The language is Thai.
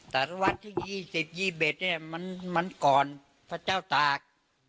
แต่วันที่๒๐๒๑มันก่อนพระเจ้าตาก